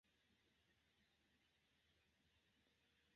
Vasari skribis ke Giovanni estis pentristo je li propra merito.